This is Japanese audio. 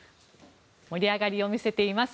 盛り上がりを見せています。